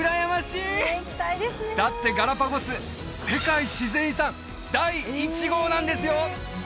だってガラパゴス世界自然遺産第１号なんですよ！